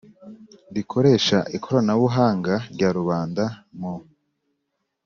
rikoresha ikoranabuhanga rya rubanda mu